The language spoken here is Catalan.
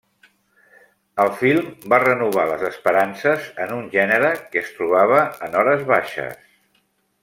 El film va renovar les esperances en un gènere que es trobava en hores baixes.